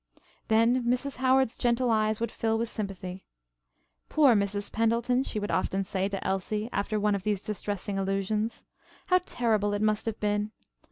'" Then Mrs. Howard's gentle eyes would fill with sympathy. "Poor Mrs. Pendleton," she would often say to Elsie after one of these distressing allusions. "How terrible it must have been.